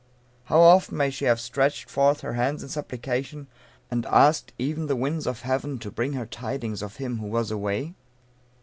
How often may she have stretched forth her hands in supplication, and asked, even the winds of heaven, to bring her tidings of him who was away?